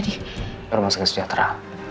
di rumah sakit sejahtera